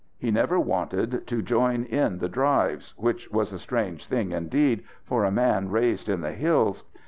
He never wanted to join in the drives which was a strange thing indeed for a man raised in the hills.